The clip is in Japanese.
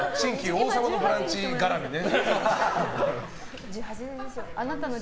「王様のブランチ」絡みね。